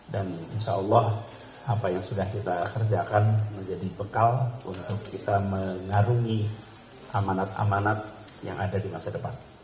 dan insyaallah apa yang sudah kita kerjakan menjadi bekal untuk kita mengarungi amanat amanat yang ada di masa depan